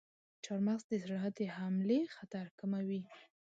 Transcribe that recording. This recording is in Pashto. چارمغز د زړه د حملې خطر کموي.